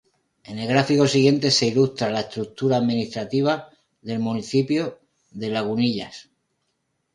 En el gráfico siguiente se ilustra la estructura administrativa del municipio de Lagunillas.